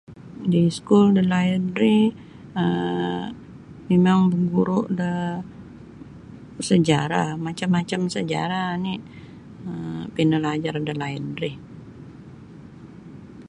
Da iskul dalaid ri um mimang baguru da sejarah macam-macam sejarah oni um pinalajar dalaid ri.